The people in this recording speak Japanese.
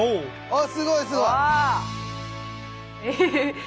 あっすごいすごい！うわ。